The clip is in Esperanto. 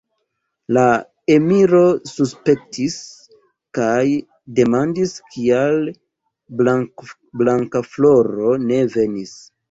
La emiro suspektis kaj demandis, kial Blankafloro ne venis.